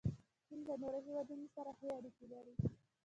چین له نورو هیوادونو سره ښې اړیکې لري.